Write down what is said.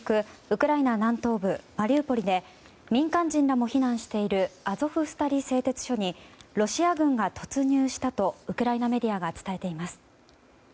ウクライナ南東部マリウポリで民間人らも避難しているアゾフスタリ製鉄所にロシア軍が突入したとウクライナメディアが伝えています。